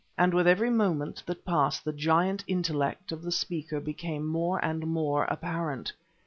And with every moment that passed the giant intellect of the speaker became more and more apparent.